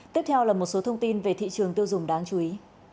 tiếp theo là một số thông tin về thị trường tiêu dùng đáng chú ý